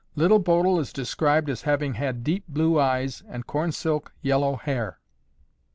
Little Bodil is described as having had deep blue eyes and cornsilk yellow hair."